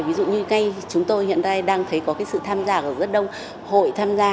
ví dụ như chúng tôi hiện nay đang thấy có cái sự tham gia của rất đông hội tham gia